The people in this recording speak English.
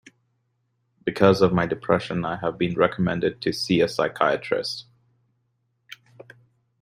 Because of my depression, I have been recommended to see a psychiatrist.